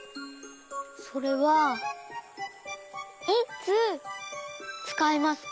それはいつつかいますか？